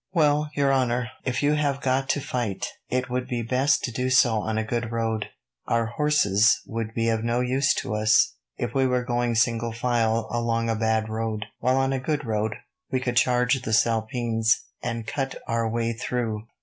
"Well, your honour, if you have got to fight, it would be best to do so on a good road. Our horses would be of no use to us, if we were going single file along a bad road; while on a good road we could charge the spalpeens, and cut our way through."